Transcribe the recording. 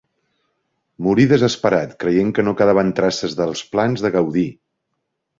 Morí desesperat, creient que no quedaven traces dels plans de Gaudí.